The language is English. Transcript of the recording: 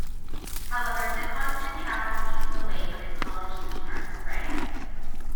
However, the constant travel keeps him away from his college sweetheart, Rae.